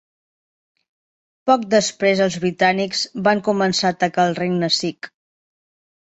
Poc després, els britànics van començar a atacar el Regne sikh.